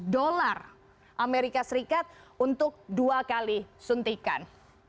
lima belas dolar amerika serikat untuk dua kali suntikan